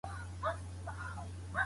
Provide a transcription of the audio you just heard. فوټبال په لاس نه لوبیږي.